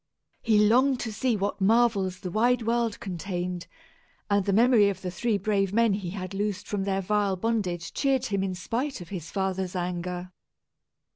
He longed to see what marvels the wide world contained, and the memory of the three brave men he had loosed from their vile bondage cheered him in spite of his father's anger.